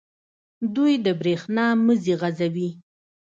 دوی د بریښنا مزي غځوي.